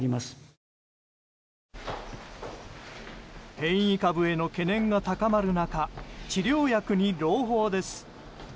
変異株への懸念が高まる中治療薬に朗報です。